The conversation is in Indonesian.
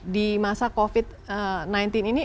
di masa covid sembilan belas ini